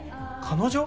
彼女？